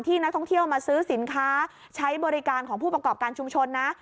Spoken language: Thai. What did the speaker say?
นักท่องเที่ยวมาซื้อสินค้าใช้บริการของผู้ประกอบการชุมชนนะ